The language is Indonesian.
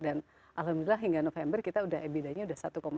dan alhamdulillah hingga november kita ebida nya sudah satu satu